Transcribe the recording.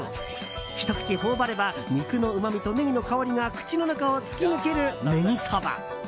ひと口頬張れば、肉のうまみとネギの香りが口の中を突き抜けるネギそば。